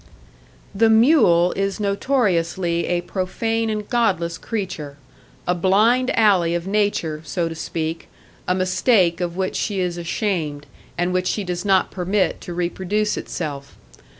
The mule is notoriously a profane and godless creature; a blind alley of Nature, so to speak, a mistake of which she is ashamed, and which she does not permit to reproduce itself.